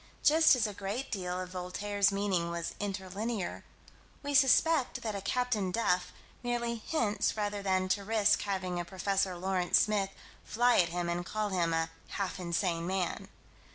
Just as a great deal of Voltaire's meaning was inter linear, we suspect that a Captain Duff merely hints rather than to risk having a Prof. Lawrence Smith fly at him and call him "a half insane man."